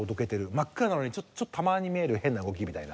真っ暗なのにちょっとたまに見える変な動きみたいな。